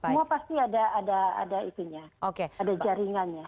semua pasti ada jaringan